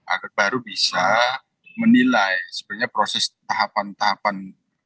agar baru bisa menilai sebenarnya proses tahapan tahapan